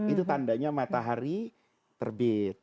itu tandanya matahari terbit